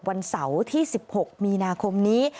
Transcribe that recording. วันเสาร์ที่๑๖มีนาคมนี้